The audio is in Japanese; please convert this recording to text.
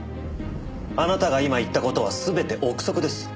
あなたが今言った事は全て憶測です。